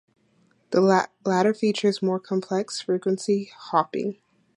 The latter features more complex frequency hopping.